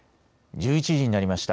１１時になりました。